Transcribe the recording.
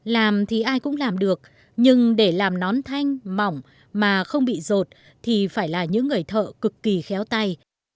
làm thì ai cũng làm được nhưng để làm nón thanh mỏng mà không bị rột thì phải là những người thợ cực kỳ khéo tay